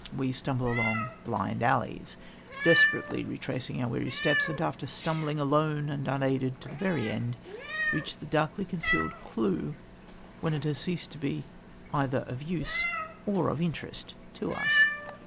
We stumble along blind alleys desperately retracing our weary steps, and, after stumbling alone and unaided to the very end, reach the darkly concealed clue when it has ceased to be either of use or of interest to us.